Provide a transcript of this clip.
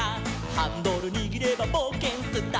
「ハンドルにぎればぼうけんスタート！」